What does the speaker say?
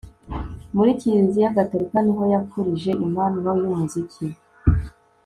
muri kiliziya gatolika niho yakurije impano y'umuziki